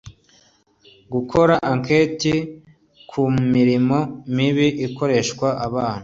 Gukora anketi ku mirimo mibi ikoreshwa abana